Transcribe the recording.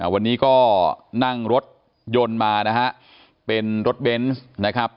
วันนี้ก็นั่งรถยนต์มานะฮะเป็นรถเบนส์นะครับ